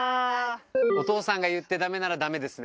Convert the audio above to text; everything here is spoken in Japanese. お父さんが言ってダメならダメですね。